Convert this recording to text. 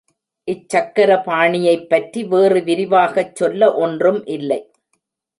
இச் சக்கர பாணியைப் பற்றி வேறு விரிவாகச் சொல்ல ஒன்றும் இல்லை.